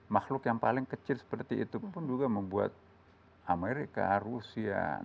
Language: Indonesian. makhluk yang paling kecil seperti itu pun juga membuat amerika rusia